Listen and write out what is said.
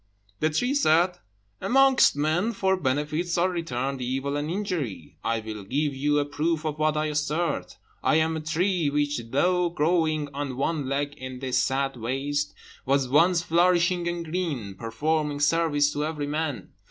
The tree said, "Amongst men, for benefits are returned evil and injury. I will give you a proof of what I assert. I am a tree which, though growing on one leg in this sad waste, was once flourishing and green, performing service to every one.